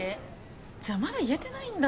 じゃあまだ言えてないんだ？